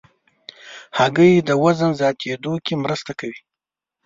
هګۍ د وزن زیاتېدو کې مرسته کوي.